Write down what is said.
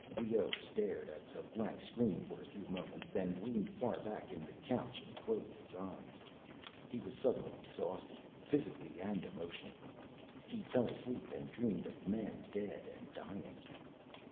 Leoh stared at the blank screen for a few moments, then leaned far back in the couch and closed his eyes. He was suddenly exhausted, physically and emotionally. He fell asleep, and dreamed of men dead and dying.